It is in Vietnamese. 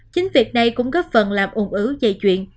chính việc này cũng góp phần làm ổn ứu dây chuyện